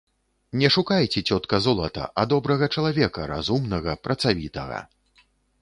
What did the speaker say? Не шукайце, цётка, золата, а добрага чалавека, разумнага, працавітага.